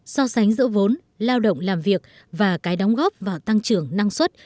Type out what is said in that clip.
so sánh giữa vốn lao động làm việc và cái đóng góp vào tăng trưởng năng suất